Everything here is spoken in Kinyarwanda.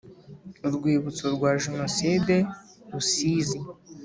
Urwibutso rwa jenoside rusizi